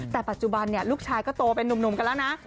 แต่ปัจจุบันลูกชายก็โตเป็นนุ่มกันแล้วนะ